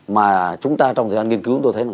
mà chúng ta trong thời gian nghiên cứu tôi thấy là